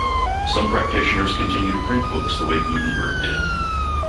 Some practitioners continue to print books the way Gutenberg did.